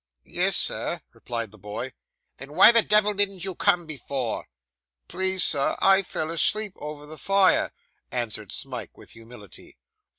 'Yes, sir,' replied the boy. 'Then why the devil didn't you come before?' 'Please, sir, I fell asleep over the fire,' answered Smike, with humility.